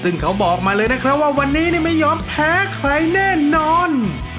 ซึ่งเขาบอกมาเลยวันนี้ไม่ยอมแพ้ใครแน่นอน